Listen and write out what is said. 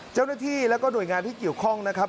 เจ้าหน้าที่แล้วก็หน่วยงานที่เกี่ยวข้องนะครับ